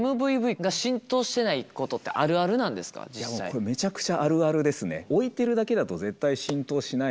これめちゃくちゃあるあるですね。